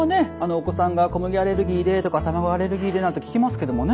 お子さんが小麦アレルギーでとか卵アレルギーでなんて聞きますけどもね。